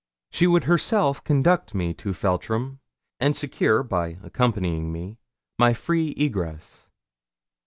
She would herself conduct me to Feltram, and secure, by accompanying me, my free egress.